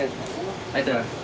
ありがとうございます。